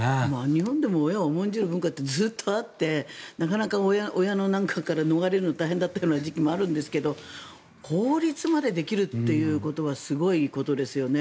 日本でも親を重んじる文化はずっとあってなかなか親の何かから逃れるのが大変だった時期もあったんですけど法律までできるということはすごいことですよね。